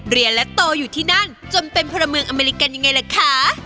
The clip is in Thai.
เรียนและโตอยู่ที่นั่นจนเป็นพลเมืองอเมริกันยังไงล่ะคะ